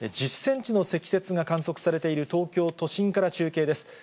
１０センチの積雪が観測されている東京都心から中継です。